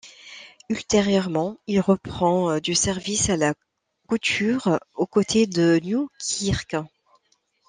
Ultérieurement, il reprend du service à la couture, aux côtés de Newkirk.